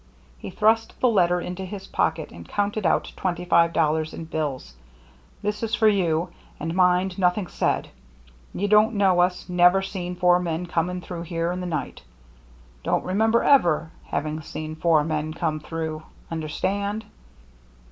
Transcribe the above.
He thrust the letter into his pocket and counted out twenty five dollars in bills. " This is for you. And mind, noth ing said. You don't know us — never seen four men coming through here in the night. Don't remember ever having seen four men come through. Understand